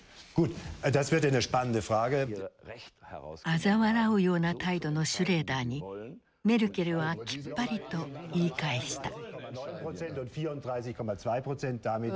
あざ笑うような態度のシュレーダーにメルケルはきっぱりと言い返した。